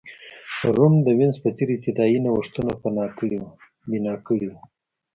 روم د وینز په څېر ابتدايي نوښتونه بنا کړي وو.